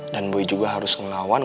dan boy juga harus ngelawan